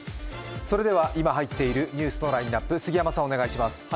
それでは今、入っているニュースのラインナップ、杉山さん、お願いします。